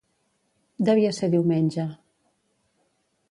Devia ser diumenge.